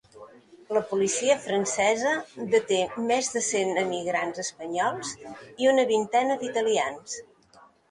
La policia francesa deté més de cent emigrats espanyols i una vintena d’italians.